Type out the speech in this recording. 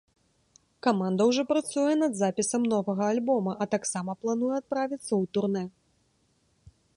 Каманда ўжо працуе над запісам новага альбома, а таксама плануе адправіцца ў турнэ.